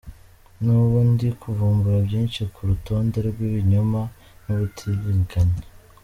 Ni ubu ndi kuvumbura byinshi ku rutonde rw’ibinyoma n’ubutiriganya.